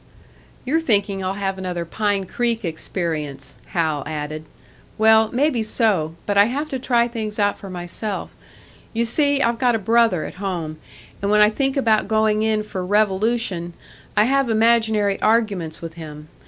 "You're thinking I'll have another Pine Creek experience," Hal added. "Well, maybe so but I have to try things out for myself. You see, I've got a brother at home, and when I think about going in for revolution, I have imaginary arguments with him.